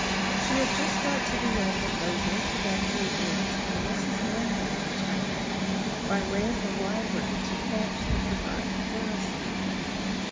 She had just got to the end of those introductory words when Mrs. Linley returned, by way of the library, to fetch the forgotten parasol.